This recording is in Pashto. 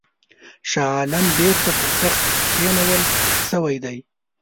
شاه عالم بیرته پر تخت کښېنول سوی دی.